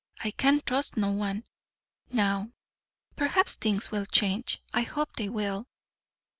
I can trust no one, now. Perhaps things will change. I hope they will."